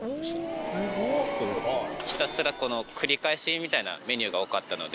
ひたすら繰り返しみたいなメニューが多かったので。